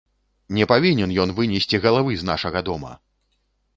Не павінен ён вынесці галавы з нашага дома!